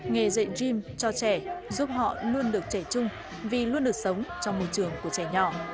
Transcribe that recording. nghề dạy gm cho trẻ giúp họ luôn được trẻ chung vì luôn được sống trong môi trường của trẻ nhỏ